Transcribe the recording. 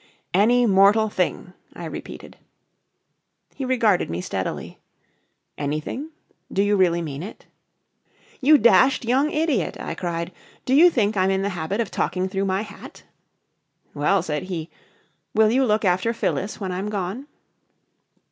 "Any mortal thing," I repeated. He regarded me steadily. "Anything? Do you really mean it?" "You dashed young idiot," I cried, "do you think I'm in the habit of talking through my hat?" "Well," said he, "will you look after Phyllis when I'm gone?"